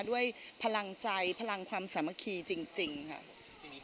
ด้วยพลังใจพลังความสามัคคีจริงค่ะ